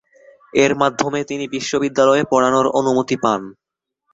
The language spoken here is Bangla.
এর মাধ্যমে তিনি বিশ্ববিদ্যালয়ে পড়ানোর অনুমতি পান।